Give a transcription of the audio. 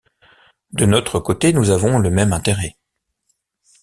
De notre côté nous avons le même intérêt.